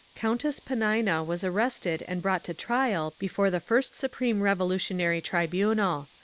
Countess Panina was arrested and brought to trial before the first Supreme Revolutionary Tribunal.